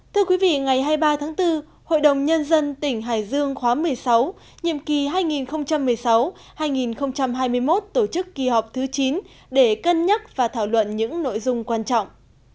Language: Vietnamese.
thưa quý vị ngày hai mươi ba tháng bốn hội đồng nhân dân tỉnh hải dương khóa một mươi sáu nhiệm kỳ hai nghìn một mươi sáu hai nghìn hai mươi một tổ chức kỳ họp thứ chín để cân nhắc và thảo luận những nội dung quan trọng